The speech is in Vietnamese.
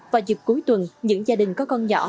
và dịp cuối tuần những gia đình có con nhỏ